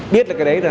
biết là cái đấy là